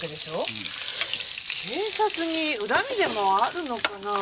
警察に恨みでもあるのかな。